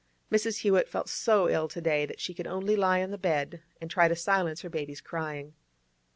Mrs. Hewett felt so ill to day that she could only lie on the bed and try to silence her baby's crying.